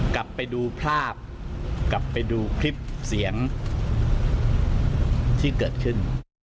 กลับไปดูภาพกลับไปดูคลิปเสียงที่เกิดขึ้น